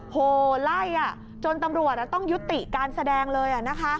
โหไล่จนตำรวจต้องยุติการแสดงเลย